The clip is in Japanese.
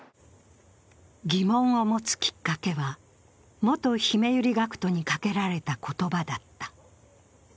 疑問を持つきっかけは、元ひめゆり学徒にかけられた言葉だった。